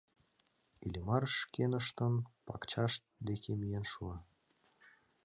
Иллимар шкеныштын пакчашт деке миен шуо.